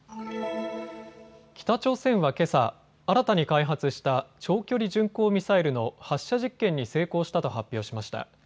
北朝鮮はけさ、新たに開発した長距離巡航ミサイルの発射実験に成功したと発表しました。